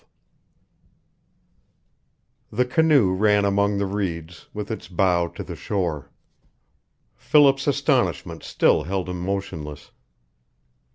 XII The canoe ran among the reeds, with its bow to the shore. Philip's astonishment still held him motionless.